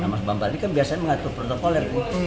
mas bambal ini kan biasanya mengatur protokolnya